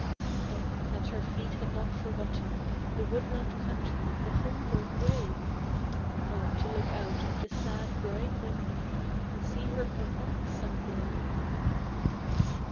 Oh, that her feet had not forgotten The woodland country, the homeward way! Oh, to look out of the sad, bright window And see her come back, some day!